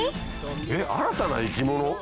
えっ新たな生き物？